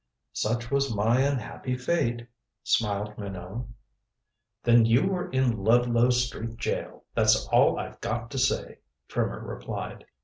"Such was my unhappy fate," smiled Minot. "Then you were in Ludlow Street jail, that's all I've got to say," Trimmer replied.